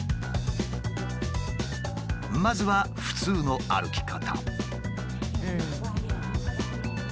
まずは普通の歩き方。